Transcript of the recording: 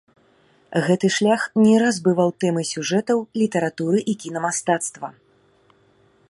Гэты шлях не раз бываў тэмай сюжэтаў літаратуры і кінамастацтва.